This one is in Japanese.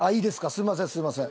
すみませんすみません。